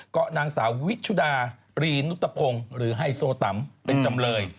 ก็นางสาววิชุดารีนุตพงศ์หรือไฮโซตัมเป็นจำเลย